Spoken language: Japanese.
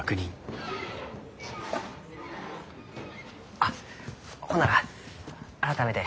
あほんなら改めて。